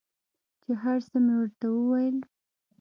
چې هر څه مې ورته وويل.